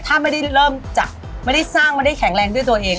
ถ้าไม่ได้เริ่มจากไม่ได้สร้างไม่ได้แข็งแรงด้วยตัวเอง